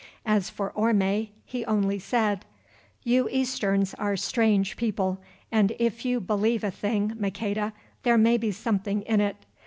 As for Orme, he only said: "You Easterns are strange people, and if you believe a thing, Maqueda, there may be something in it.